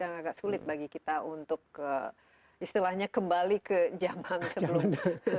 dan agak sulit bagi kita untuk ke istilahnya kembali ke zaman sebelumnya